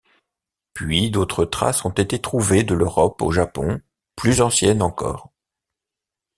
Puis d'autres traces ont été trouvées de l'Europe au japon, plus anciennes encore.